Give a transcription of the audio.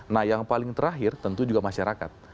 nah yang paling terakhir tentu juga masyarakat